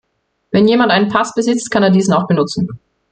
Wenn jemand einen Pass besitzt, kann er diesen auch benutzen.